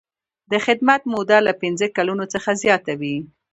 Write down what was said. د خدمت موده له پنځه کلونو څخه زیاته وي.